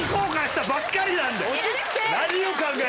落ち着け！